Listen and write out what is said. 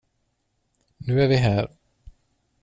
Nu är vi här.